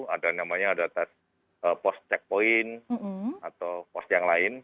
ada namanya ada pos checkpoint atau pos yang lain